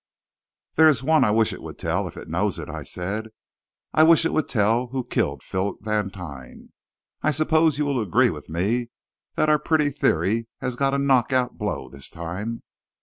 "There is one I wish it would tell, if it knows it," I said. "I wish it would tell who killed Philip Vantine. I suppose you will agree with me that our pretty theory has got a knock out blow, this time."